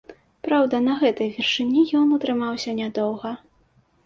Праўда, на гэтай вышыні ён утрымаўся нядоўга.